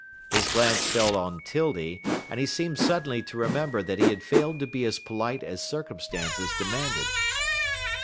His glance fell on 'Tildy, and he seemed suddenly to remember that he had failed to be as polite as circumstances demanded.